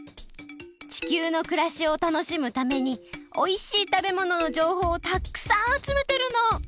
地球のくらしをたのしむためにおいしい食べもののじょうほうをたっくさんあつめてるの！